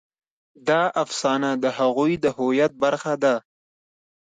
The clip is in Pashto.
دا افسانه د هغوی د هویت برخه ده.